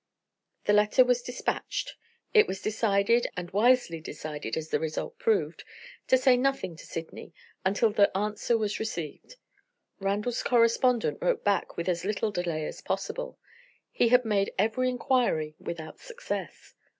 The letter was dispatched. It was decided and wisely decided, as the result proved to say nothing to Sydney until the answer was received. Randal's correspondent wrote back with as little delay as possible. He had made every inquiry without success.